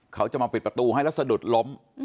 เขาจะมาปิดประตูให้แล้วสะดุดล้ม